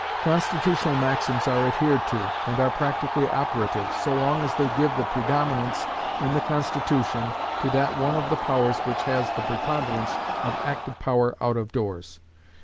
Constitutional maxims are adhered to, and are practically operative, so long as they give the predominance in the Constitution to that one of the powers which has the preponderance of active power out of doors.